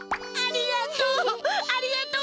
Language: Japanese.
ありがとう！